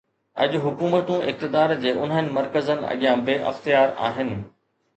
اڄ حڪومتون اقتدار جي انهن مرڪزن اڳيان بي اختيار آهن.